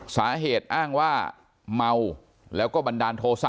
สาเหตุอ้างว่าเมาแล้วก็บันดาลโทษะ